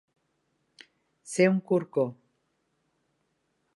Ser un corcó.